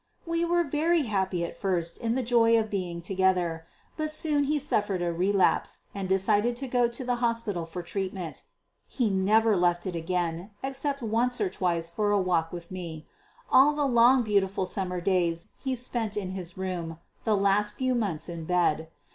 We were very happy at first in the joy of being together. But soon he suffered a relapse, and decided to go to the hospital for treatment. He never left it again, except once or twice for a walk with me. All the long, beautiful summer days he spent in his room, the last few months in bed.